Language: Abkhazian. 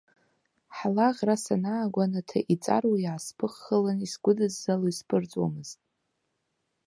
Ҳла ӷра санаагәанаҭа, иҵаруа иаасԥыххылан, исгәыдыззало, исԥырҵуамызт.